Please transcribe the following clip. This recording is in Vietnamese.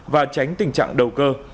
và tránh tình trạng đầu cơ